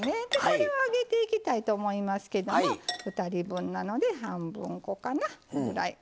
これを揚げていきたいと思いますけども２人分なので半分こかな。こんぐらい。